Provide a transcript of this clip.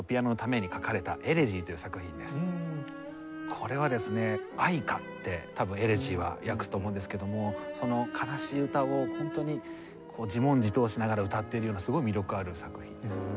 これはですね「哀歌」って多分『エレジー』は訳すと思うんですけどもその哀しい歌をホントに自問自答しながら歌ってるようなすごい魅力ある作品です。